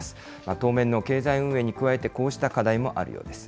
当面の経済運営に加えて、こうした課題もあるようです。